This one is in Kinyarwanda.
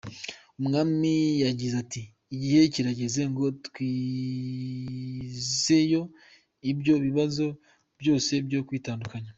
Umwami yagize ati “Igihe kirageze ngo twigizeyo ibyo bibazo byose byo kwitandukanya.